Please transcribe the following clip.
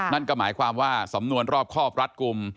นั่นก็หมายความว่าสำนวนรอบครอบรัดกลุ่ม